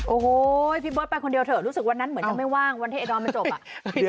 โอ้โฮพี่เบิร์ดไปคนเดียวเหมือนวันนั้นไม่ว่างวันที่เอดอนไม่จบ